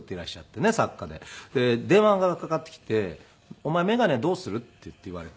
で電話がかかってきて「お前眼鏡どうする？」っていって言われて。